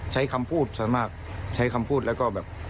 ใช้คำพูดส่วนมากใช้คำพูดแล้วก็แบบ